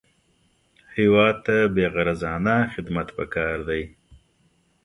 هېواد ته بېغرضانه خدمت پکار دی